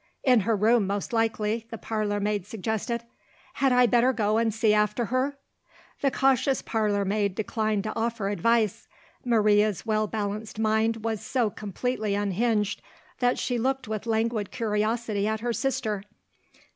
"In her room, most likely," the parlour maid suggested. "Had I better go and see after her?" The cautious parlour maid declined to offer advice. Maria's well balanced mind was so completely unhinged, that she looked with languid curiosity at her sister.